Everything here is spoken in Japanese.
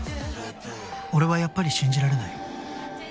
「俺はやっぱり信じられない」